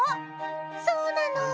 そうなの。